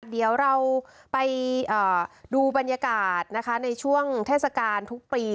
เดี๋ยวเราไปดูบรรยากาศนะคะในช่วงเทศกาลทุกปี